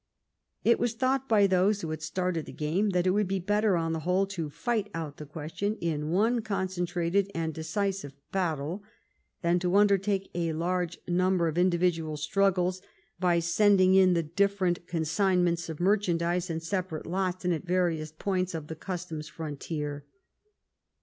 It was thought by those who had started the game that it would be better, on the whole, to fight out the ques tion in one concentrated and decisive battle than to undertake a large number of individual struggles by sending in the different consignments of merchandise in separate lots and at various points of the customs frontier.